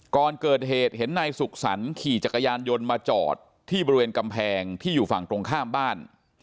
ก่อนเกิดเหตุเห็นนายสุขสรรค์ขี่จักรยานยนต์มาจอดที่บริเวณกำแพงที่อยู่ฝั่งตรงข้ามบ้าน